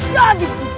jadi bucahmu paman